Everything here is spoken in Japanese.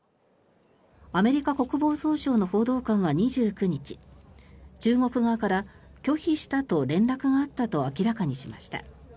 アメリカ国防総省の報道官は２９日中国側から拒否したと連絡があったと明らかにしました。